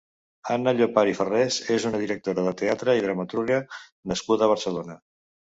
Anna Llopart i Farrés és una directora de teatre i dramaturga nascuda a Barcelona.